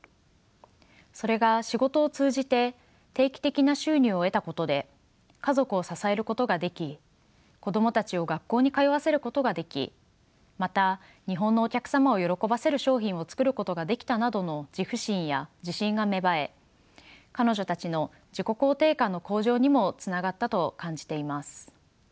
それが仕事を通じて定期的な収入を得たことで家族を支えることができ子供たちを学校に通わせることができまた日本のお客様を喜ばせる商品を作ることができたなどの自負心や自信が芽生え彼女たちの自己肯定感の向上にもつながったと感じています。